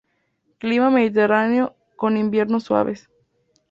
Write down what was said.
Clima mediterráneo, con inviernos suaves.